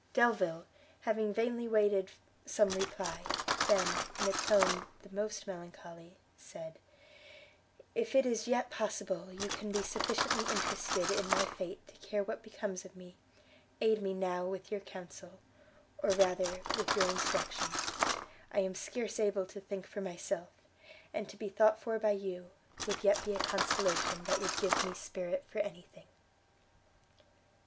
Delvile, having vainly waited some reply, then in a tone the most melancholy, said, "If it is yet possible you can be sufficiently interested in my fate to care what becomes of me, aid me now with your counsel, or rather with your instructions; I am scarce able to think for myself, and to be thought for by you, would yet be a consolation that would give me spirit for any thing."